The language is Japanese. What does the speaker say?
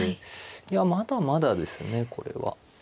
いやまだまだですねこれは。